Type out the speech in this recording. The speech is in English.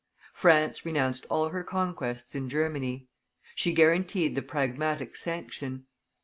France renounced all her conquests in Germany; she guaranteed the Pragmatic Sanction.